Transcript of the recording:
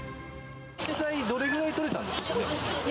どれぐらい取れたんですかね？